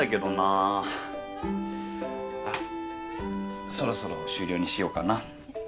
あっそろそろ終了にしようかな。